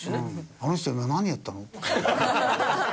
「あの人今何やったの？」。